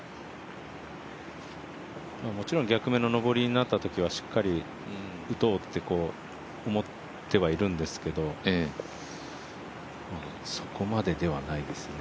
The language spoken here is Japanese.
もちろん逆目の上りになったときはしっかり打とうって思ってるんですけどそこまでではないですよね